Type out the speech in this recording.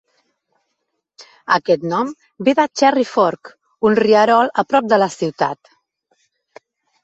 Aquest nom ve de Cherry Fork, un rierol a prop de la ciutat.